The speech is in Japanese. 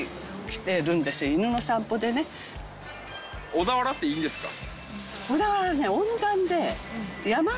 小田原っていいですか？